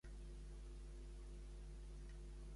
Només hi ha votat en contra CiU.